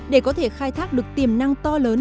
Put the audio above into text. để có thể khai thác được tiềm năng to lớn